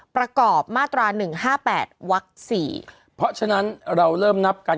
ประกอบมาตราหนึ่งห้าแปดวักสี่เพราะฉะนั้นเราเริ่มนับกัน